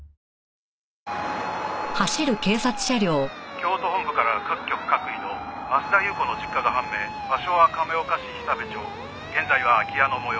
「京都本部から各局各移動」「増田裕子の実家が判明」「場所は亀岡市久部町現在は空き家の模様」